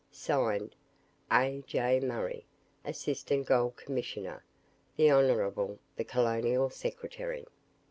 (Signed) "A. J. MURRAY, "Assistant Gold Commissioner. "The Hon. the Colonial Secretary."